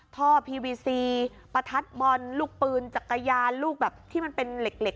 ท่อพีวีซีประทัดบอลลูกปืนจักรยานลูกแบบที่มันเป็นเหล็ก